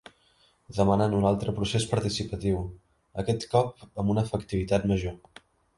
Demanen un altre procés participatiu, aquest cop amb una efectivitat major.